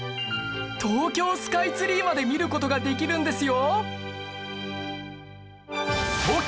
東京スカイツリーまで見る事ができるんですよ！